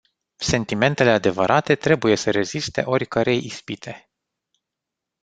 Sentimentele adevărate trebuie să reziste oricărei ispite.